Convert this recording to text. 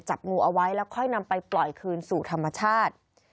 จับงูเอาไว้แล้วค่อยนำไปปล่อยคืนสู่ธรรมชาติ